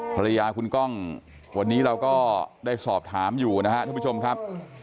ภรรยาคุณก้องวันนี้เราก็ได้สอบถามอยู่นะครับทุกผู้ชมครับ